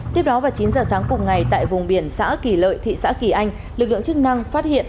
tiếp đó vào chín giờ sáng cùng ngày tại vùng biển xã kỳ lợi thị xã kỳ anh lực lượng chức năng phát hiện